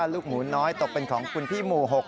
ลูกหมูน้อยตกเป็นของคุณพี่หมู่๖